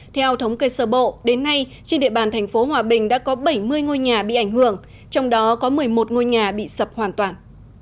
theo thống kê sở bộ đến nay trên địa bàn thành phố hòa bình đã có bảy mươi ngôi nhà bị ảnh hưởng trong đó có một mươi một ngôi nhà bị sập hoàn toàn